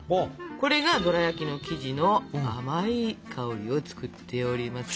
これがドラやきの生地の甘い香りを作っております。